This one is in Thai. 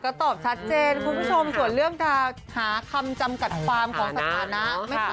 ก็ตอบชัดเจนคุณผู้ชมส่วนเรื่องหาคำจำกัดความของสถานะ